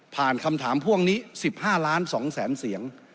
คำถามพ่วงนี้๑๕ล้าน๒แสนเสียง